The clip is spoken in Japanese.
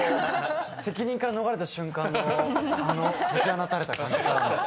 責任から逃れた瞬間のあの解き放たれた感じが。